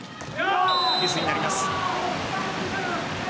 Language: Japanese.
ミスになります。